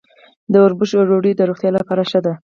د وربشو ډوډۍ د روغتیا لپاره ښه ده.